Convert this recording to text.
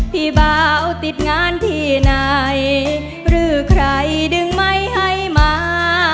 พี่เบาติดงานที่ไหนหรือใครดึงไม่ให้มา